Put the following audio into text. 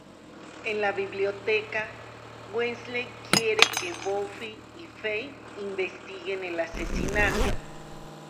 En la biblioteca, Wesley quiere que Buffy y Faith investiguen el asesinato.